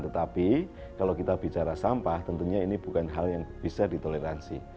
tetapi kalau kita bicara sampah tentunya ini bukan hal yang bisa ditoleransi